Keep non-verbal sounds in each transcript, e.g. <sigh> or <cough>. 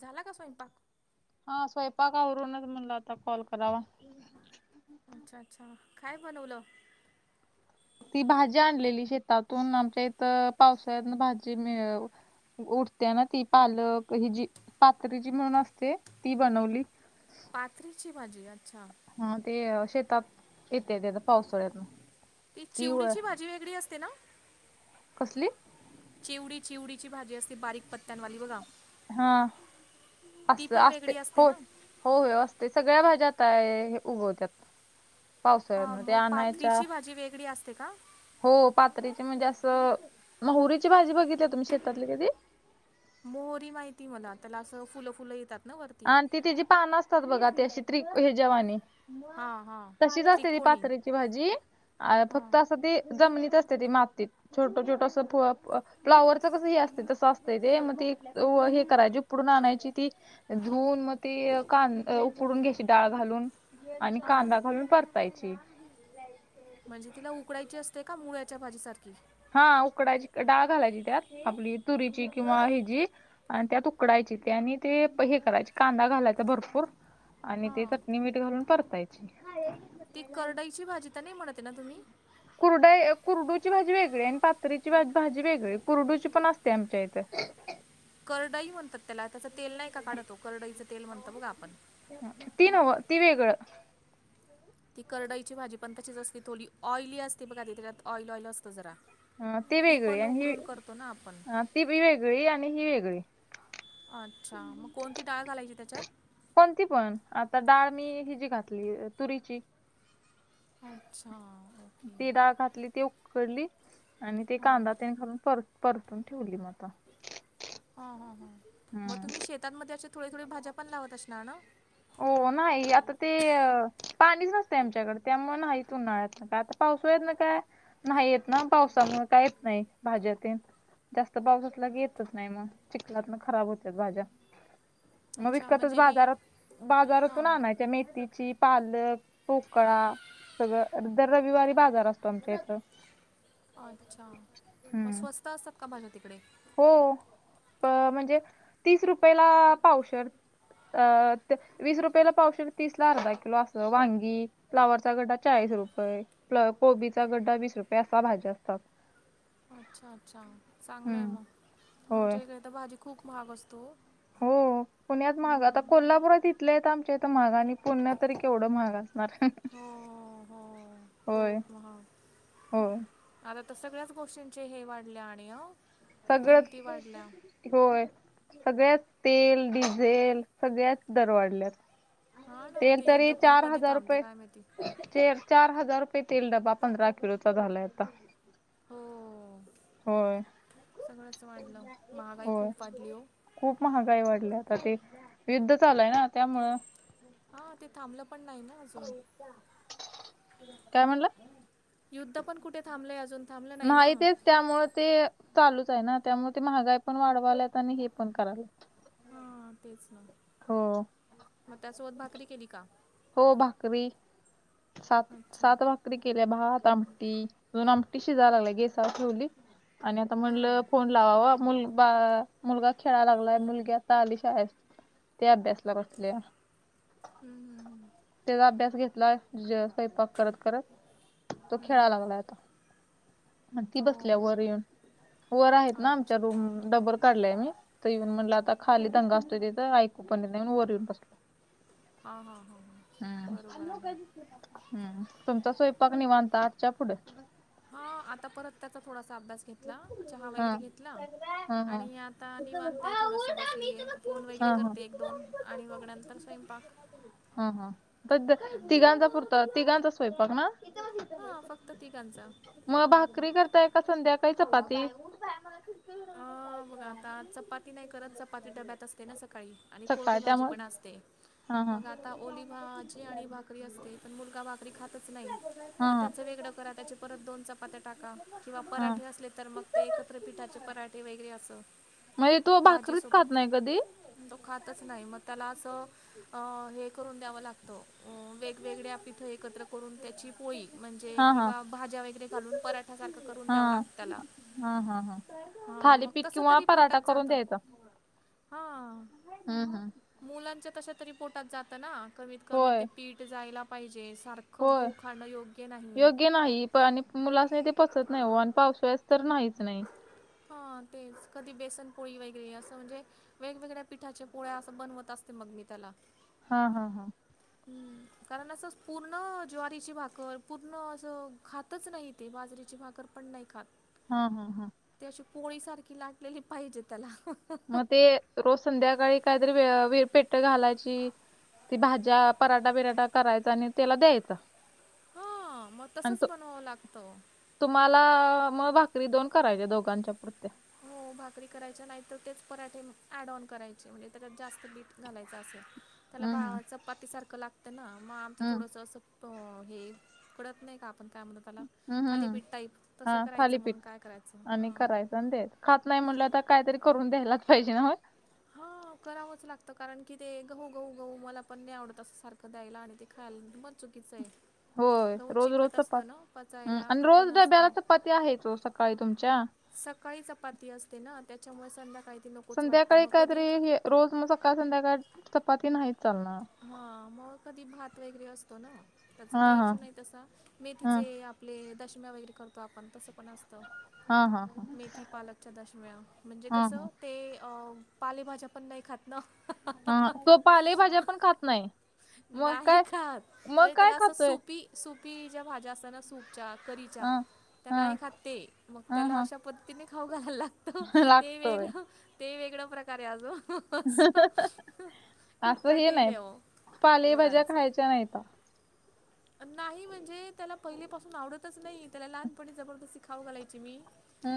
झाला का स्वयंपाक? हा स्वयंपाक आवरूनच म्हणला आता कॉल करावा. अच्छा अच्छा काय बनवलं? ती भाजी आणलेली शेतातून, आमच्या इथं पावसाळ्यात भाजी मिळ उठते ना ती पालक हि जी पात्री जी म्हणून असते, ती बनवली. पात्रीची भाजी अच्छा. हा ते शेतात येते, येत पावसाळ्यात ना. ती चिवडीची भाजी वेगळी असते ना? कसली? चिवडी चिवडीची भाजी असते बारीक पत्त्यांवाली बघा. हा ती अस पण असते वेगळी हो. ना हो अ असते सगळ्या भाज्या काय उगवत्यात. पावसाळ्यामध्ये आणायच्या जी वेगळी असते का? हो पात्रीची म्हणजे असं महुरीची भाजी बघितली तुम्ही शेतातली कधी? मोहरी माहिती मला त्याला असं फुलं फुलं येतात ना वर? आणि ती तीची पानं असतात बघा, ते अशी त्रिक हे जेवाने. हां हां तशीच असते ती त्रिकोणी पाथऱ्याची भाजी, अ हां फक्त असं ते जमनीत असते ती मातीत, छोट छोट असं फु फ्लावरच कस हे असत तसं असतंय ते, मग त हे करायची उपडून आणायची ती. धुवून मग ती कां उकडून घ्यायची डाळ घालून आणि हां कांदा घालून परता यची. म्हणजे तिला उकडायची असते का मुळ्याच्या भाजीसारखी. हा, उकडायची डाळ घालायची त्यात आपली तुरीची किंवा हिजी आणि त्यात उकडायची ते आणि ते हे करायचे कांदा घालायचा भरपूर आणि ते हां चटणी मीठ घालून परतायचे. ती करडईची भाजी तर नाही म्हणते ना तुम्ही? कुरडा कुरडूची भाजी वेगळी आणि पाथरीची भाजी वेगळी, कुरडूची पण असते आमच्या इथे. करडई म्हणतात त्याला, त्याच तेल नाही का काढतो करडईचं तेल म्हणतो बघा आपण. तीनव ती वेगळं. ती करडईची भाजी पण तशीच असते, थोडी ऑइली असते बघा त त्याच्यात ऑइल ऑइल असतं जरा. ह ती वेगळी पण आणि ही उकडून करतो ना आपण अ ती बी वेगळी आणि हि वेगळी. अच्छा मग कोणती डाळ घालायची त्याच्यात? कोणती पण, आता डाळ मी हि जी घातली तुरीची. अच्छा ओके ती डाळ घातली ती उकडली आणि ते हां कांदा त्याने करून परत परतून ठेवली म आता. हा हा हा मग हम्म तुम्ही शेतांमध्ये अशी थोडी थोडी भाज्या पण लावत असणार ना? हो नाही आता ते अ पाणीच नसते आमच्याकडे त्यामुळ नाही, उन्हाळ्यात ना काय आता पाऊस आहेत ना काय. नाही येत ना पावसामुळे काहीच नाही भाज्याते. जास्त पाऊस असलाकि येतच नाही मग, चिखलात म खराब होत्यात भाज्या. मग अच्छा विकतच म्हणजे ही बाजारात हां बाजारातून आणायाच्या मेथीची. पाल, पोकळा सगळं दर रविवारी बाजार असतो आमच्या इथं. अच्छा! मग हम्म स्वस्त असतात भाज्या तिकडे. हो.. म्हणजे तीस रुपयेला पावशेर. अ.. ते. वीस रुपयेला पावशेर तीस ला अर्धा किलो असं वांगी फ्लावरचा गड्डा चाळीस रुपये. फ्लावर, कोबीचा गड्डा वीस रुपये असा भाजी असतात. अच्छा! ! अच्छा! ! चांगलं आहे हम्म मग होय आमच्या इकडे तर भाजी खूप महाग असते ओ हो पुण्यात महाग आता कोल्हापूरात इथल्या इथं आमच्या इथं महाग आणि पुण्यात तरी केवढं महाग असणार. हो हो खूप महाान. हो तसं सगळ्याच गोष्टींचे हे वाढल्या आणि ओ.. सगळंच <unintelligible> होय सगळ्यात तेल, डिझेल सगळ्यात दर वाढल्यात. हा ना ते तेल तरी युद्ध पण चार कधी हजार थांबते रुपये काय माहिती तेल. चार हजार रुपये तेल डबा पंधरा किलोचा झालाय आता. हो होय सगळंच वाढलं महागाई होय खूप वाढली हो. खूप महागाई वाढली आता ते युद्ध चालय ना त्यामुळं. हा ते थांबलं पण नाही ना अजून. काय म्हणला युद्ध पण कुठे थांबलंय अजून. थांबलं नाही ना माहितय त्यामुळे ते चालूच आहे ना त्यामुळे ते महागाई पण वाढवाल्यात आणि हे पण करायला. हा तेच ना मग त्यासोबत भाकरी केली का? हो भाकरी सात अच्छा सात भाक री केल्या भात आमटी अजून आमटी शिजायलाय लागल्या गेसावर ठेवली. आणि आता हां म्हणलं फोन लावावा मुल मुलगा खेळायला लागलाय मुलगी आता आली शाळेसन. ती अभ्यासला बसल्या हम्म, हम्म, हम्म. त्याचा अभ्यास घेतलाय स्वयंपाक करत करत तो हम्म, खेळा हम्म, हम्म. लागला आता. ती हो बसल्या वर बरोबर येऊन आहे वर आहेत ना आमच्या अच्छा रूम डबल काढलाय मी तर इवन म्हटलं आता खाली दंगा असतो तिथ ऐकू पण येत वर येऊन बसलो. हां हां <unintelligible> हा हम्म. बरोबर आहे हम्म तुमचा स्वयंपाक निवांत आठच्या पुढे हा आता परत त्याचा थोडासा अभ्यास घेतला चहा हा वगैरे घेतला हा हा. आणि आता निवांत थोडंसं बसलीय फोन वगैरे हा हा. करते एक दोन आणि मग नंतर स्वयंपाक ह ह हम्म. तिघांचा पुरत तिघांचा स्वयंपाक ना हा फक्त तिघांचा मग भाकरी करताय का संध्याकाळ काय चपाती अ.. बघा आता चपाती नाही करत चपाती डब्यात असते ना सकाळी आणि कोरडी सकाळ भाजी पण त्यामुळे असते. हा हा मग आता ओली भाजी आणि भाकरी असते पण मुलगा भाकरी खातच नाही. हा मग हा. त्याच वेगळं करा त्याची परत दोन चपात्या टाका किंवा हा पराठे असले तर मग ते एकत्र पीठाचे पराठे वगैरे असं म्हणजे तू भाजी भाकरीच खात सोबत नाही कधी तो खातच नाही मग त्याला असं, अ हे करून द्याव लागतं वेगवेगळ्या पीठं एकत्र करून त्या ची पोळी म्हणजे हा हा किंवा भाज्या वगैरे घालून पराठ्या सारखा करून हा द्यावं लागत त्याला. हा हा हा. हां मग थालीपीठ तसं किंवा तरी पोटात पराठा करून जातं द्यायचां हां हम् हम्. मुलांच्या तशा तरी पोटात जात ना कमीत कमी होय ते पीठ जायला पाहिजे सारखं. ग होय गहू खाणं योग्य नाही- योग्य नाही पण आणि मुलान्णी ते पचत नाही व आणि पावसाळ्यास तर नाहीच नाही. हा तेच कधी बेसनपोळी वगैरे असं म्हणजे वेगवेगळ्या पिठाच्या पोळ्या असं बनवत असते मग मी त्याला हा हा हा हम् कारण असं पूर्ण ज्वारीची भाकर पूर्ण असं खात खातच नाही ते बाजरीेची भाकरर पण नाही खात हा हा हा ते अशी पोळी सारखी लाटलेली पाहिजे त्याला. मग ते रोज संध्याकाळी काहीतरी व पेट्ट घालायची ती भाज्या पराठा बिराठा करायचा आणि त्याला द्यायचं. हा मग तसच बनवावं लागतं. तुम्हाला मग भाकरी दोन करायच्या दोघांच्या पुरत. हो भाकरी करायच्या नाहीत तेच पराठे ॲड ऑन करायचे म्हणजे त्याच्यात जास्त बीठ घालायचं असेल. त्याला हम्म बा हम्म चपातीसारखं लागतं ना मग आमचं हम्म थोडंसं असं तो हे पडत नाही का आपण काय म्ह त्याला हम्म हम्म हम्म थालीपीठ टाईप तसं करायचं मन काय करायचं हा. देत खात नाही म्हटलं तर काहीतरी करून द्यायलाच पाहिजे ना म. हा करावंच लागतं कारण की ते गहू गहू गहू मला पण नाही आवडत अस सारखं द्यायला आणि ते खाल मग चुकीचं आहे. होय गहू रोज चिकट रोजच असतं ना चपाती पचायला आणि कठीण रोज डब्याला असतं च पाती आहे ओ सकाळी तुमच्या. सकाळी चपाती असते ना त्याच्यामुळे संध्याकाळी काही संध्याकाळी कायतरी हे रोज मग सकाळ संध्याकाळ चपाती नाही चालणार. हा मग कधी भात वगैरे असतो ना त्याचा हां काही हां. इशू नाही तसा हां. मेथीचे आपले दशम्या वगैरे करतो आपण तसं पण असतं. हां हां हां. मेथी पालकच्या दशम्या म्हणजे हां हां. कसं? ते अ पालेभाज्या पण नाही खात ना. हा तो पालेभाज्या पण खात नाही. मग नाही काय? खात मग म्हणजे काय त्याला अस खातोय? सूपी सुपीच्या भाज्या असत ना सूपच्या करी च्या हां. त्या नाही हां. खात ते मग हां त्याला हां. अश्या पद्धतीने खाऊ घायला लाग तो ते लागतोय. वेगळं ते वेगळ प्रकारे आज ओ <unintelligible> अस खूप असं हे कठीण नाही. आहे हो पालेभाज्या पोरांचं खायच्या नाहीत. नाही म्हणजे त्याला पहिली पासून आवडतच नाही त्याला लहानपणी जबरदस्ती खाऊ घालायची मी.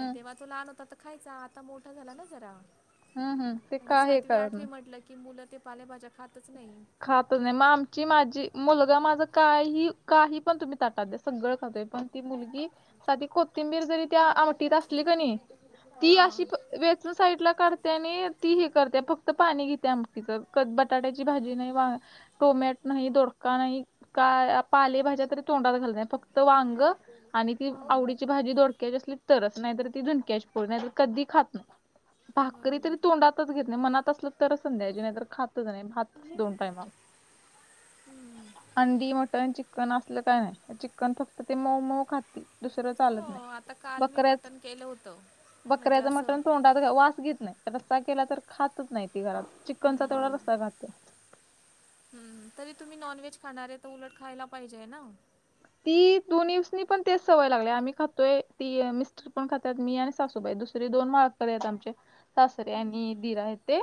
प तेव्हा तो लहान होता तर खायचा आता मोठा झाला ना जरा. हं हं. ते आणि का हे सातवी करत नाही. आठवी म्हटलं की मुलं ते पालेभाज्या खातच नाही. खात नाही मग आमची माझी मुलगा माझं काही काही पण तुम्ही ताटात द्या सगळं खातोय पण मुलगी साधी कोथिंबीर जरी त्या आमटीत असली क नाही ती अशी हां व साईड ला काढते आणि ती हे करते फक्त पाणी घेते तिच बटाट्याची भाजी नाही बा टोमॅट नाही दोडका नाही का पालेभाज्या तरी तोंडात घाल नाही फक्त वांग आणि ती आवडीची भाजी दोड तर नाही तर ति झूणक्या कधी खात नाही भाकरी तरी बरोबर तोंडात- ातच घेत नाही मनात असलं तरच संध्याचीी नाही तर खातच नाही भात दोन टाइम. आंडी मटन चिकन चिकन असलं काय नाही चिकन फक्त ते मऊ मऊ खाते. दुसरं हो चालत नाही आता काल मी बकऱच मटण केलं होतं म्हणजे बकऱ्याचं असं मटण तोंडात वास घेत नाही. रस्सा केला तर खातच नाही ती घरात चिकनचा तेवढा हम्म, रस्ता खात हम्म हम्म. तरी तुम्ही नॉन व्हेज खाणारेय, तर उलट खायला पाहिजेय ना. ती दोन दिवसनी पण तीच सवय लागलीय. आम्ही खातोय ती मिस्ट पण खातात. मी आणि सासूबाई. दुसरी दोन माळकरीयेत आमचे. सासरे आणि दीर आहेत ते.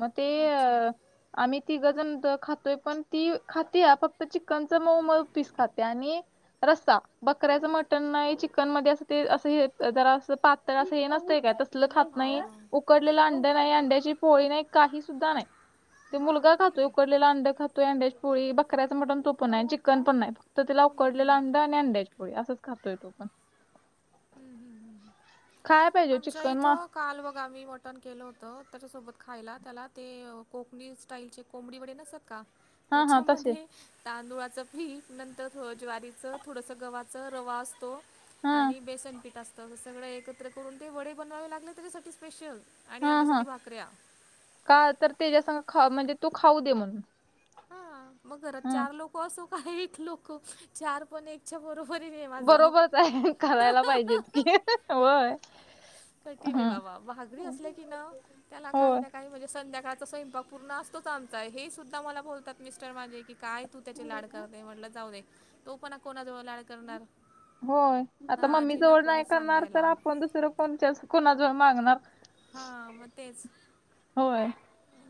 मग ते अच्छा अ आम्ही तीघ जन खातोय. पण, ती खाते फक्त चिकनच मऊ मऊ पीस खाते. त्या अनी रसा. बकऱ्याचं मटण नाही. चिकन मध्ये अस ते असं हे. जरा अस पातळ असं हे नसतंय काय. खलं खात नाही हां उकडलेलं अंड नाही. अंड्याची पोळी नाही. काही सुद्धा नाही. ते मुलगा खातो. बापरे उकडलेला अंड खातोय. अंड्याची पोळी. बकऱ्याच मटण तो पण नाय चिकन पण नाय. त त्याला. उकडलेला अंडा आणि अंड्याच्या पोळी. असंच खातोय तो पण. खायला पाहिजे आमच्या चिकन इथ. मा काल बघा आम्ही मटण केलं होतं. त्याच्यासोबत खायला. त्याला ते कोकनीच स्टाईलचे कोंबडी वडे नसातात का? हा हा तसे त्याच्यामध्ये तांदुळाचं पीठ. नंतर ज्वारीचं थोडंसं, गव्हाचं, रवा असतो. हा आणि बेसनपीठ असत. सगळं एकत्र करून ते वडे बनवावे लागले. त्याच्यासाठी स्पेशल. आणि हा हा आमच्यासाठी भाकऱ्या. का तर तिच्यासह खा. म्हणजे तू खाऊ दे म्हणून. हां, मग घरात हम्म चार लोक असो. का एक लोक चार पणे च्या बरोबरीनेय माझ. बरोबरच आहे करायला पाहिजेच की होय कठीने हम्म बाबा. भाकरी असल्या की ना. त्याला काही होय ना काही म्हणजे. संध्याकाळचा स्वयंपाक पूर्ण असतो च आमचा. हे सुद्धा मला बोलतात. मिस्टर माजे, की काय तू त्याचे लाड करते. म्हटल जाऊ दे. तो पण कोणाजवळ लाड करणार होय. आता ना मम्मी आजी ना जवळ नाय कोणी करणार तर. सांगायला आपण दुसरं कोणच्या कोणाजवळ मागणार. हा. म तेच. होय.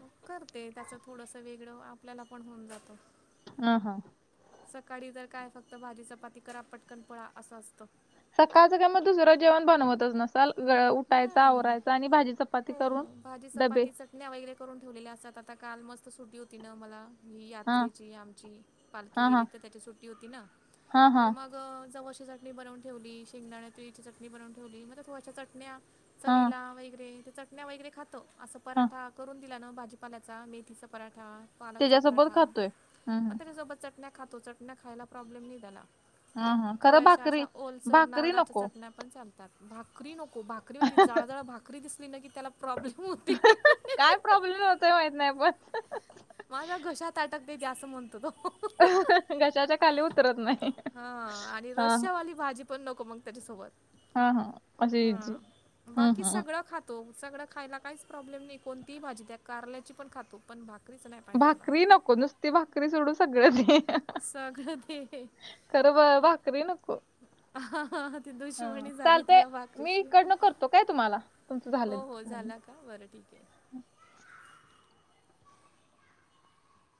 मग करते. त्याचं थोडस वेगळं. आपल्याला पण होऊन जातं. ह हा. सकाळी तर काय? फक्त भाजीच पाती करा. पटकन पळा. असं असतं. सकाळच काय मग दुसरं जेवण बनवतच नसं ल उठायच. नाही आवरायच. आणि भाजी चपाती करून. डबे चटन्या वगैरे करून ठेवलेल्या असतात. आता काल मस्त सुट्टी होती ना. मला. ही हा यात्रेची आमची. पालखी हा हा गेली. तर त्याची सुट्टी होती ना. हा हा तर मग म जवळची चटणी बनवून ठेवली. शेंगदाण्या तीळीची चटणी बनवून ठेवली. मग त्या थोड्याशा चटण्या हा चवीला वगैरे. ते चटण्या वगैरे खातो. असं हा पराठा करून दीलाना. भाजीपाल्याचा. मेथीचा पराठा. पालकचा त्याच्यासोबत पराठा. खातोय हं मग हं त्याच्या सोबत चटण्या खातो. चटण्या खायला प्रॉब्लेम नाही त्याला. हा हा तो खरं अशाअशा भाकरी ओलसर भाकरी नारडच्या. नको चटण्या पण चालतात. भाकरी नको. भाकरी म्हहिती जाडजाड भाकरी भाकरी दिसली ना की. त्याला प्रॉब्लेम होतोय. काय प्रॉब्लेम होतोय. माहित नाही पण. माझ्या घशात अटक देत. असं म्हणतो तो. घशाच्या खाली उतरत नाही. ह. आणि हा रश्यावाली भाजी पण नको. मग त्याच्यासोबत. हा हा अशी ह. इजी हं बाकी हं सगळं खात तो. सगळं खायला काहीच प्रॉब्लेम नाही. कोणतीही भाजी द्या. कारल्याची पण खातो. पण भाक भाकरी नको. नुसती भाकरी सोडू सगळ्या सगळं ते खरं ब भाकरी नको. ह. ह. ह. ती हा दुशमणी झाली चालतंय त्याला मी भाकरीची. इकडनं करतो काय तुम्हाला तुमचं हो हो झालं झाला का? बरं ठीके.